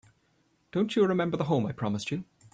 Don't you remember the home I promised you?